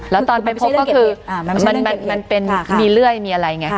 แล้วตอนไปพบก็คือมันเป็นมีเลื่อยมีอะไรไง